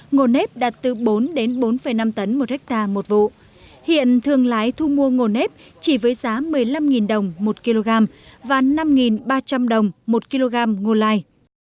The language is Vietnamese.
ngô nếp đạt từ bốn đến bốn năm tấn một hectare một vụ hiện thương lái thu mua ngô nếp chỉ với giá một mươi năm đồng một kg và năm ba trăm linh đồng một kg ngô lai